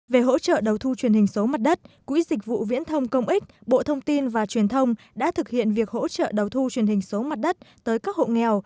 về hỗ trợ đầu thu truyền hình số mặt đất quỹ dịch vụ viễn thông công ích bộ thông tin và truyền thông đã thực hiện việc hỗ trợ đầu thu truyền hình số mặt đất tới các hộ nghèo